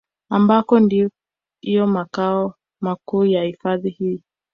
Ambako ndiyo makao makuu ya hifadhi hii